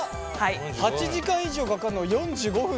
８時間以上かかるのを４５分で。